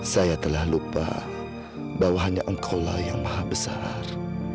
saya telah lupa bahwa hanya engkaulah yang maha besar